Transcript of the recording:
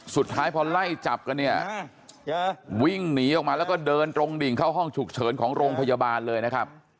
สุดท้ายพอไล่จับกันเนี่ยวิ่งหนีออกมาแล้วก็เดินตรงดิ่งเข้าห้องฉุกเฉินของโรงพยาบาลเลยนะครับ